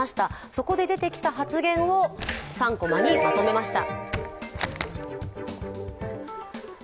そこで出てきた発言を、３コマにまとめました。